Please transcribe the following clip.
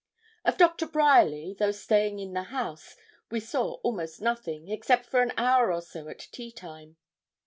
Of Doctor Bryerly, though staying in the house, we saw almost nothing, except for an hour or so at tea time.